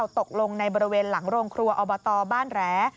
ตกลงในบริเวณหลังโรงครัวอบตบ้านแหล